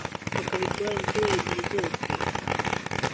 bakabikora inshuro ebyiri zose